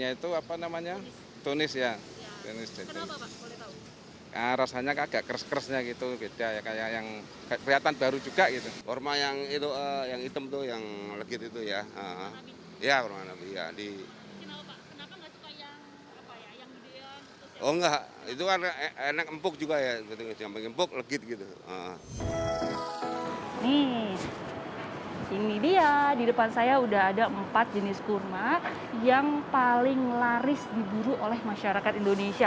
ini dia di depan saya sudah ada empat jenis kurma yang paling laris diburu oleh masyarakat indonesia